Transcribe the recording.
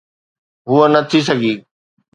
هوءَ نه ٿي سگهي.